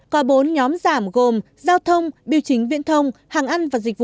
có bốn nhóm giảm gồm giao thông biểu chính viễn thông hàng ăn và dịch vụ